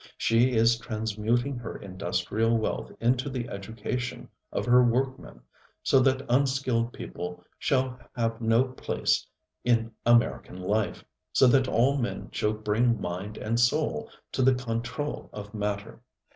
She is transmuting her industrial wealth into the education of her workmen, so that unskilled people shall have no place in American life, so that all men shall bring mind and soul to the control of matter.